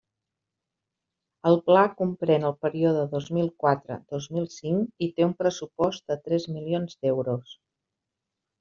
El Pla comprèn el període dos mil quatre - dos mil cinc i té un pressupost de tres milions d'euros.